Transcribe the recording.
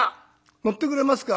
「乗ってくれますか？」。